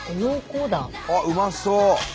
あっうまそう！